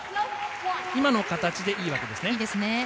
今の形でいいわけですね。